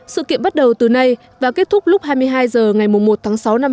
sự kiện bắt đầu từ nay và kết thúc lúc hai mươi hai h ngày mùa một tháng sáu năm hai nghìn một mươi bảy